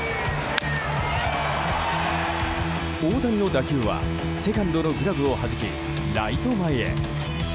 大谷の打球はセカンドのグラブをはじき、ライト前へ。